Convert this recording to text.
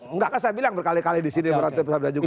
enggak kan saya bilang berkali kali disini berantem perantem juga